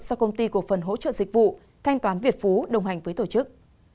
do công ty cổ phần hỗ trợ dịch vụ thanh toán việt phú đồng hành với tổ chức